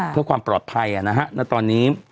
เพื่อความปลอดภัยนะฮะณตอนนี้